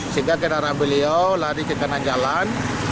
sehingga kendaraan beliau lari ke kanan jalan